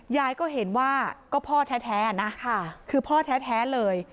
ยายก็เห็นว่าก็พ่อแท้นะคือพ่อแท้เลย